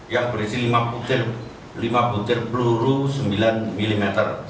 yang berisi lima butir peluru sembilan mm